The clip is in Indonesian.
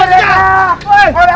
orang nyana ada